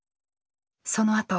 そのあと。